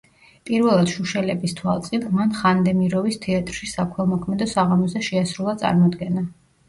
პირველად შუშელების თვალწინ, მან ხანდემიროვის თეატრში საქველმოქმედო საღამოზე შეასრულა წარმოდგენა.